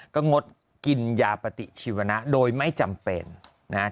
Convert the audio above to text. ก็งดกินยาปฏิชีวนะโดยไม่จำเป็นนะฮะ